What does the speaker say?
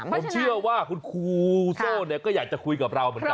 ผมเชื่อว่าคุณครูโซ่เนี่ยก็อยากจะคุยกับเราเหมือนกัน